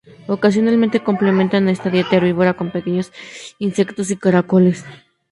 Ocasionalmente complementan esta dieta herbívora con pequeños insectos y caracoles.